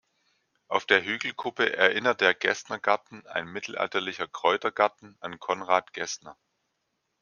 Auf der Hügelkuppe erinnert der «Gessner-Garten», ein mittelalterlicher Kräutergarten, an Conrad Gessner.